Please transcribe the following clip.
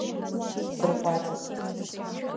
Сырҟәаҵып.